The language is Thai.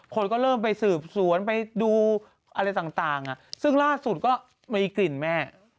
พลก็เริ่มไปสืบสวนไปดูอะไรต่างเสร็อกล้าสูทก็ไม่มีกลิ่นแม่